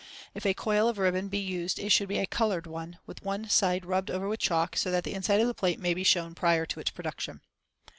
If a coil of ribbon be used it should be a colored one, with one side rubbed over with chalk so that the inside of the plate may be shown prior to its production.